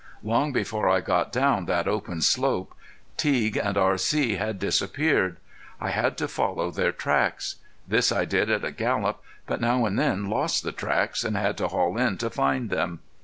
Long before I got down that open slope Teague and R.C. had disappeared. I had to follow their tracks. This I did at a gallop, but now and then lost the tracks, and had to haul in to find them.